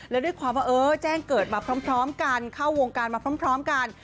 แล้วด้วยความว่าเออแจ้งเกิดมาพร้อมกันเข้าวงการมาพร้อมกัน